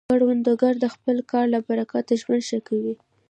کروندګر د خپل کار له برکته ژوند ښه کوي